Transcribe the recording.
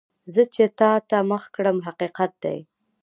زه چې تا ته مخ کړم، حقیقت دی.